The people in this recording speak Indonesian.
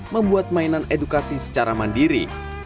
membuat mainan edukasi secara mandiri